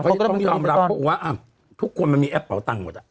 เขาก็ต้องยอมรับว่าทุกคนมันมีแอปเป่าตังหมด